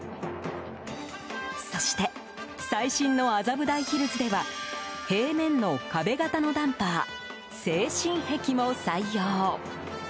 そして、最新の麻布台ヒルズでは平面の壁型のダンパー制震壁も採用。